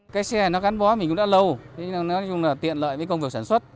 cái xe nó gắn bó mình cũng đã lâu nó tiện lợi với công việc sản xuất